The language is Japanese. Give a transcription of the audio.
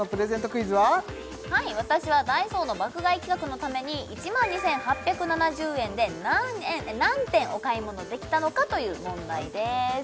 クイズははい私はＤＡＩＳＯの爆買い企画のために１万２８７０円で何点お買い物できたのかという問題です